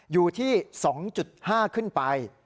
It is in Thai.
อยู่ที่๒๕ขึ้นไป